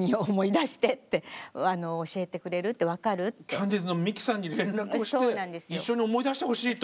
キャンディーズのミキさんに連絡をして一緒に思い出してほしいと。